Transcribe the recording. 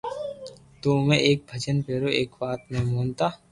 تو اووي ايڪ ڀجن ڀيرو ايڪ وات ني مونتا